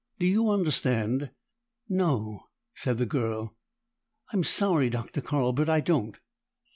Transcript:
Do you understand?" "No," said the girl. "I'm sorry, Dr. Carl, but I don't."